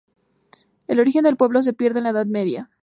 El origen del pueblo se pierde en la Edad Media.